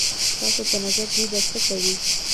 ستاسو په نظر دوی به څه کوي؟